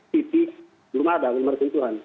siti belum ada belum ada bantuan